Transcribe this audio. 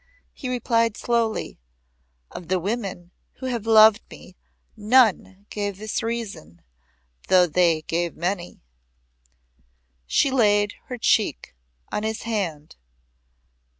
He replied slowly; "Of the women who have loved me none gave this reason, though they gave many." She laid her cheek on his hand.